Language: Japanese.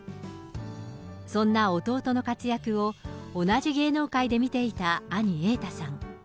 そんな弟の活躍を、同じ芸能界で見ていた兄、瑛太さん。